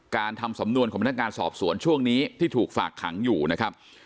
ทำสำนวนของพนักงานสอบสวนช่วงนี้ที่ถูกฝากขังอยู่นะครับ